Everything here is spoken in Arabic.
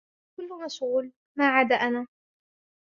الكل مشغول ما عدى أنا.